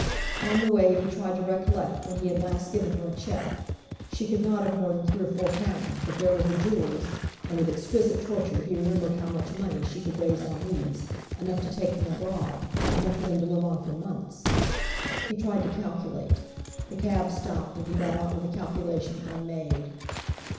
On the way he tried to recollect when he had last given her a cheque; she could not have more than three or four pounds, but there were her jewels; and with exquisite torture he remembered how much money she could raise on these; enough to take them abroad; enough for them to live on for months! He tried to calculate; the cab stopped, and he got out with the calculation unmade.